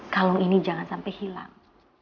kalau ini jangan sampai hilang